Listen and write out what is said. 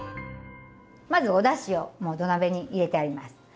まずおだしをもう土鍋に入れてあります。